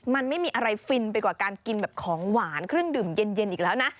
มันไม่มีอะไรฟินไปกว่าการกินแบบของหวานเครื่องดื่มเย็นอีกแล้วนะ